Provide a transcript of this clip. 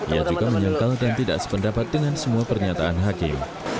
ia juga menyangkal dan tidak sependapat dengan semua pernyataan hakim